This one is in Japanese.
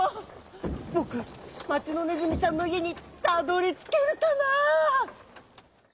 ぼく町のねずみさんのいえにたどりつけるかなあ」。